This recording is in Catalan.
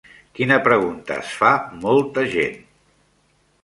Quina pregunta es fa molta gent?